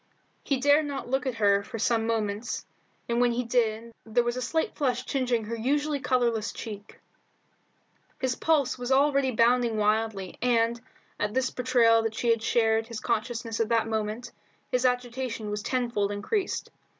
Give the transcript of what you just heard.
He dared not look at her for some moments, and when he did there was a slight flush tingeing her usually colourless cheek. His pulses were already bounding wildly, and, at this betrayal that she had shared his consciousness at that moment, his agitation was tenfold increased.